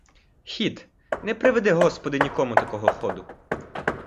Хід — не приведи господи нікому такого ходу.